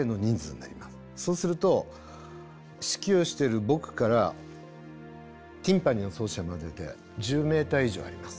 そうすると指揮をしている僕からティンパニーの奏者までで１０メーター以上あります。